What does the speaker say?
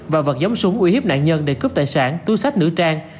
và vật giống súng ủy hiếp nạn nhân để cướp tài sản tu sách nữ trang